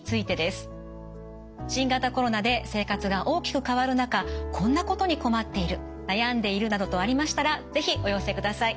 新型コロナで生活が大きく変わる中こんなことに困っている悩んでいるなどありましたら是非お寄せください。